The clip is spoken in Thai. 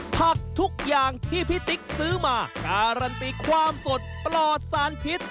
ผักทุกอย่างที่พี่ติ๊กซื้อมาการันตีความสดปลอดสารพิษ